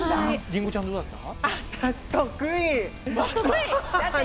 りんごちゃんどうだった？